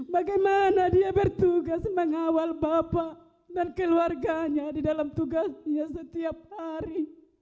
bagaimana dia bertugas mengawal bapak dan keluarganya di dalam tugasnya setiap hari